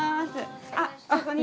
あっそこに。